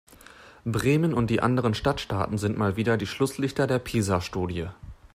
Bremen und die anderen Stadtstaaten sind mal wieder die Schlusslichter der PISA-Studie.